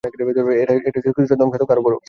এটা ছিল কিছুটা ধ্বংসাত্মক, আর বড়।